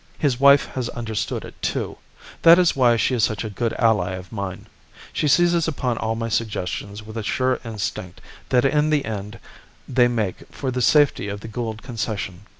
"His wife has understood it, too. That is why she is such a good ally of mine. She seizes upon all my suggestions with a sure instinct that in the end they make for the safety of the Gould Concession.